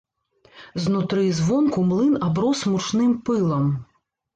Знутры і звонку млын аброс мучным пылам.